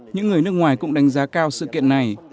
những người nước ngoài cũng đánh giá cao sự kiện này